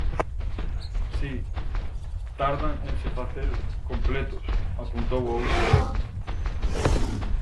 _Si, tardan en se facer completos _apuntou outro.